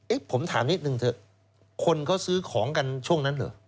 ผมถามนิดนึงเถอะคนเขาซื้อของกันช่วงนั้นเหรอ